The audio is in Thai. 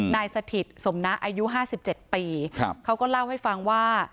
สถิตสมนะอายุ๕๗ปีเขาก็เล่าให้ฟังว่า